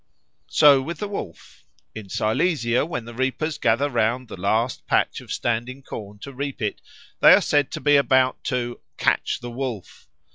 So with the wolf. In Silesia, when the reapers gather round the last patch of standing corn to reap it they are said to be about "to catch the Wolf."